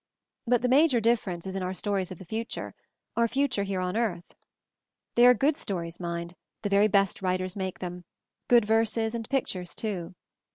But the ma jor difference is in our stories of the future, our future here on earth. They are good 208 MOVING THE MOUNTAIN stories, mind, the very best writers make them; good verses and pictures, too.